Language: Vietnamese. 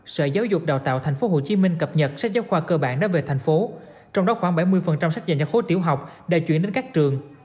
sở giáo dục đào tạo tp hcm cập nhật sách giáo khoa cơ bản đã về thành phố trong đó khoảng bảy mươi sách dành cho khối tiểu học đã chuyển đến các trường